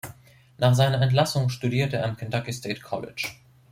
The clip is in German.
Nach seiner Entlassung studierte er am Kentucky State College.